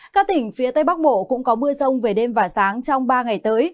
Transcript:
các tỉnh phía tây bắc bộ cũng có mưa rông về đêm và sáng trong ba ngày tới